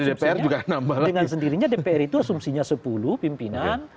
dengan sendirinya dpr itu asumsinya sepuluh pimpinan